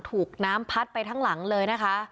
ถูกน้ำพัดไปทั้งหลังเลยนะคะ